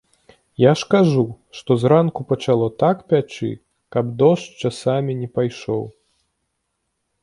Я ж кажу, што зранку пачало так пячы, каб дождж, часамі, не пайшоў.